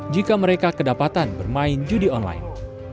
jika mereka kedapatan bermain judi online